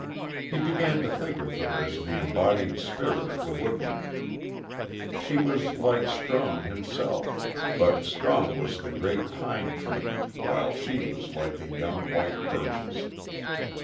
He began to think of her as the embodied spirit of the woodland. She was like Strong himself, but Strong was the great pine tree while she was like the young, white birches.